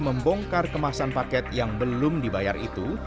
membongkar kemasan paket yang belum dibayar itu